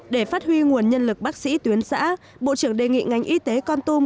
để phát huy nguồn nhân lực bác sĩ tuyến xã bộ trưởng đề nghị ngành y tế con tum